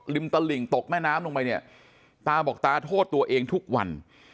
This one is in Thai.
ตลิ่งตกแม่น้ำลงไปเนี่ยตาบอกตาโทษตัวเองทุกวัน